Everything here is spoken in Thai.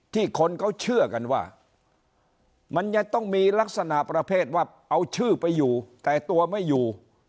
คนเขาเชื่อกันว่ามันจะต้องมีลักษณะประเภทว่าเอาชื่อไปอยู่แต่ตัวไม่อยู่